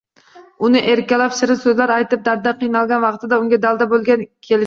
Uni erkalab, shirin so'zlar aytib darddan qiynalgan vaqtida unga dalda bo'lib kelgan